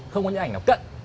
không có những ảnh nào cận